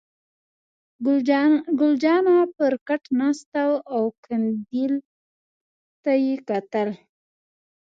ګل جانه پر کټ ناسته وه او قندیل ته یې کتل.